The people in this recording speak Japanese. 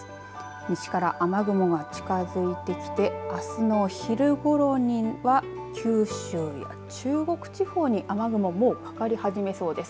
西から雨雲が近づいてきてあすの昼ごろには九州や中国地方に雨雲、もうかかり始めそうです。